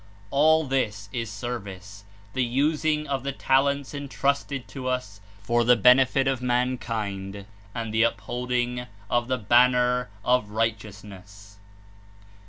All this is service, tlie using of the talents entrusted to 150 us for the benefit of mankind and the upholding of the banner of righteousness.